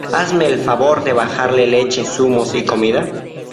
hazme el favor de bajarle leche, zumos y comida